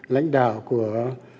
lãnh đạo của